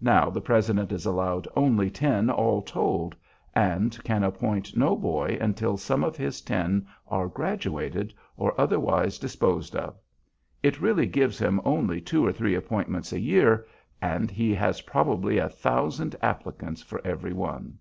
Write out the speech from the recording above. Now the President is allowed only ten 'all told,' and can appoint no boy until some of his ten are graduated or otherwise disposed of. It really gives him only two or three appointments a year, and he has probably a thousand applicants for every one.